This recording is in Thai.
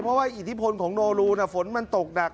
เพราะว่าอิทธิพลของโนรูฝนมันตกหนัก